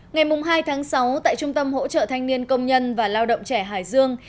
ngày hai tháng sáu tại trung tâm hỗ trợ thanh niên công nhân và lao động trẻ hải dương